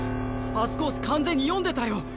パスコース完全に読んでたよ。